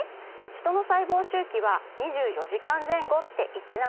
ヒトの細胞周期は２４時間前後って言ってなかった？